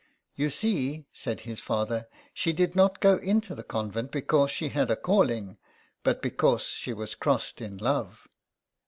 " You see," said his father, '' she did not go into the convent because she had a calling, but because she was crossed in love."